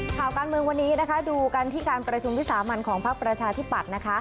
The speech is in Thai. ข่าวการเมืองวันนี้นะคะดูกันที่การประชุมวิสามันของพักประชาธิปัตย์นะคะ